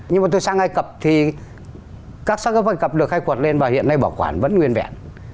nhưng mà tôi sang ai cập thì các sách hợp ai cập được khai quật lên và hiện nay bảo quản vẫn nguyên vẹn